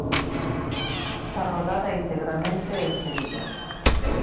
Está rodada integramente en Sevilla.